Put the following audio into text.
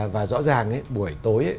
và rõ ràng buổi tối